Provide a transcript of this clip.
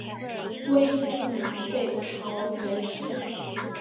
魏晋南北朝沿置。